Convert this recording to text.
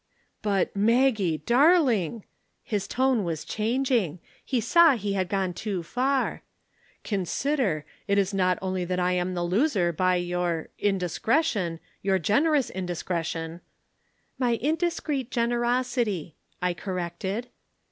"'But, Maggie, darling!' His tone was changing. He saw he had gone too far. 'Consider! It is not only I that am the loser by your indiscretion, your generous indiscretion ' "'My indiscreet generosity,' I corrected.